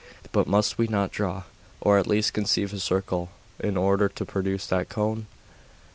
'But must we not draw, or at least conceive a circle, in order to produce that cone?